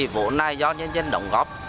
vốn này do nhân dân đóng góp